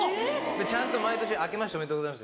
ちゃんと毎年「あけましておめでとうございます」。